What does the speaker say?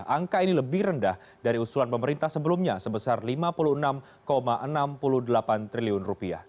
angka ini lebih rendah dari usulan pemerintah sebelumnya sebesar rp lima puluh enam enam puluh delapan triliun